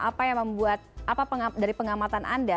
apa yang membuat apa dari pengamatan anda